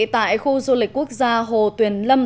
tại khu du lịch quốc gia hồ tuyền lâm